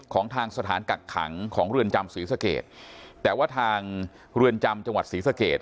ของทางสถานกักขังของเรือนจำศรีสเกตแต่ว่าทางเรือนจำจังหวัดศรีสเกต